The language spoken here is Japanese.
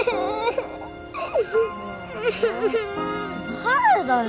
誰だよ？